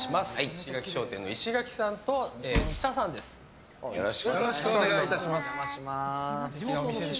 石垣商店の石垣さんとちささんです。